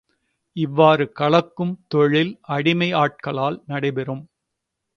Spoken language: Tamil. இவ்வாறு கலக்கும் தொழில் அடிமை ஆட்களால் நடைபெறும்.